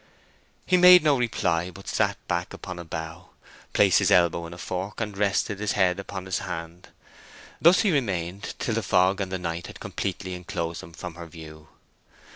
He made no reply, but sat back upon a bough, placed his elbow in a fork, and rested his head upon his hand. Thus he remained till the fog and the night had completely enclosed him from her view.